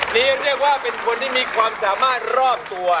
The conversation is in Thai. นี่เรียกว่าเป็นคนที่มีความสามารถรอบตัว